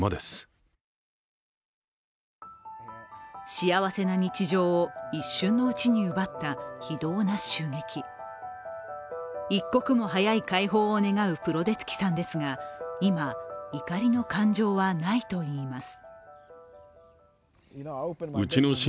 幸せな日常を一瞬のうちに奪った非道な襲撃一刻も早い解放を願うプロデツキさんですが今、怒りの感情はないといいます。